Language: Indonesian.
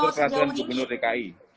tersegatur peraturan gubernur dki